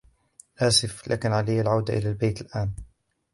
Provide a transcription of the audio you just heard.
آسف ، لكن علي العودة إلى البيت الآن.